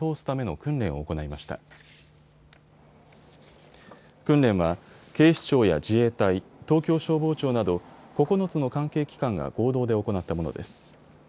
訓練は警視庁や自衛隊、東京消防庁など９つの関係機関が合同で行ったものです。